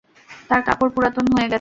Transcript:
তার কাপড় পুরাতন হয়ে গেছে।